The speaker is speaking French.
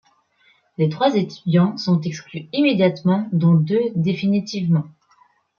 Trois étudiants sont exclus immédiatement dont deux définitivement.